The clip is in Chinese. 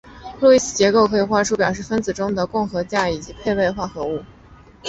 路易斯结构可以画出表示分子中的共价键以及配位化合物。